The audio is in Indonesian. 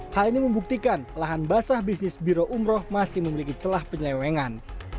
hal ini membuktikan lahan basah bisnis biro umroh masih memiliki celah penyelewengan